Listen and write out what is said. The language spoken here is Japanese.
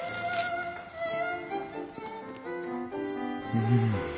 うん。